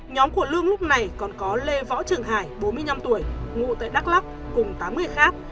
nhóm của lương lúc này còn có lê võ trường hải bốn mươi năm tuổi ngụ tại đắk lắc cùng tám người khác